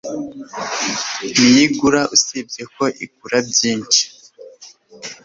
Nayigura usibye ko igura byinshi